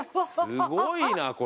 すごいなこれ。